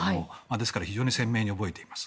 ですから非常に鮮明に覚えています。